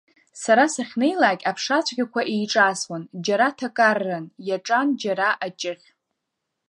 Сара сахьнеилак аԥшацәгьақәа еиҿасуан, Џьара ҭакарран, иаҿан џьара аҷыхь.